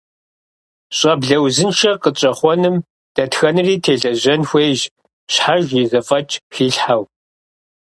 Щӏэблэ узыншэ къытщӏэхъуэным дэтхэнэри телэжьэн хуейщ, щхьэж и зэфӏэкӏ хилъхьэу.